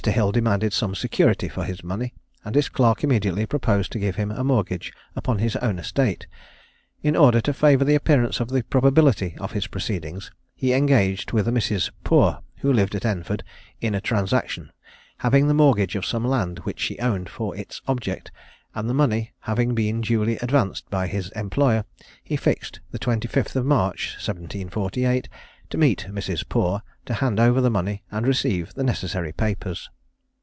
Hill demanded some security for his money, and his clerk immediately proposed to give him a mortgage upon his own estate. In order to favour the appearance of the probability of his proceedings, he engaged with a Mrs. Poor, who lived at Enford, in a transaction, having the mortgage of some land which she owned for its object, and the money having been duly advanced by his employer, he fixed the 25th March, 1748, to meet Mrs. Poor to hand over the money and receive the necessary papers.